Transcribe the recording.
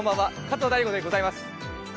加藤大悟でございます。